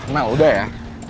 mel udah ya